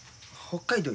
北海道？